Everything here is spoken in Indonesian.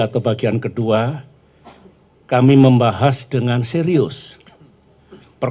saya ingin mengucapkan